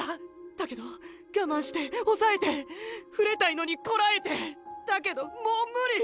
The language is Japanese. だけどがまんして抑えて触れたいのにこらえてだけどもうムリ！！